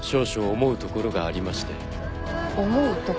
思うところ？